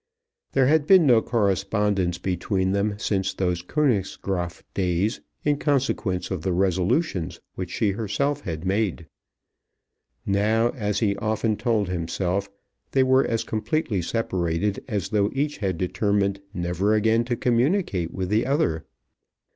There had been no correspondence between them since those Königsgraaf days in consequence of the resolutions which she herself had made. Now, as he often told himself, they were as completely separated as though each had determined never again to communicate with the other.